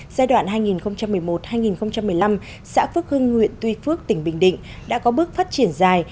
giai đoạn hai nghìn một mươi một hai nghìn một mươi năm xã phước hưng huyện tuy phước tỉnh bình định đã có bước phát triển dài